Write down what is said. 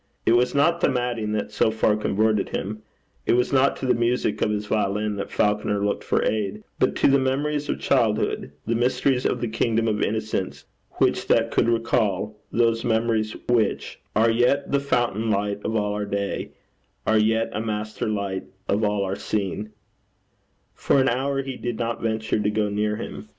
It was not the matting that so far converted him: it was not to the music of his violin that Falconer looked for aid, but to the memories of childhood, the mysteries of the kingdom of innocence which that could recall those memories which Are yet the fountain light of all our day, Are yet a master light of all our seeing. For an hour he did not venture to go near him.